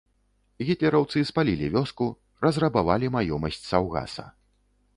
Гітлераўцы спалілі вёску, разрабавалі маёмасць саўгаса.